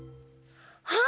あ！